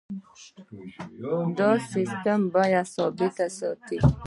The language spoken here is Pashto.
دا سیستم بیې ثابت ساتي.